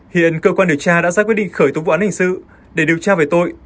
hiện cơ quan điều tra đã ra quyết định khởi tố vụ án hình sự để điều tra về tội